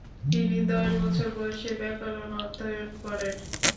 তিনি দশ বছর বয়সে ব্যাকরণ অধ্যয়ন করেন।